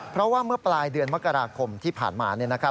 เพราะว่าเมื่อปลายเดือนมกราคมที่ผ่านมา